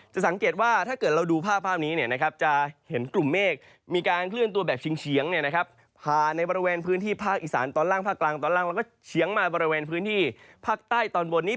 จะสังเกตว่าถ้าเกิดเราดูภาพนี้นะครับ